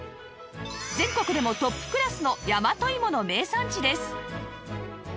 全国でもトップクラスの大和芋の名産地です